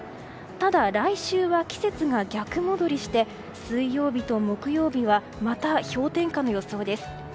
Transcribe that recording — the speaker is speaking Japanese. ただ来週は季節が逆戻りして水曜日と木曜日はまた氷点下の予想です。